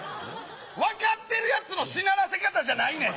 分かってるやつのしならせ方じゃないねん。